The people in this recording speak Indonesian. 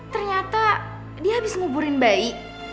ternyata dia habis nguburin bayi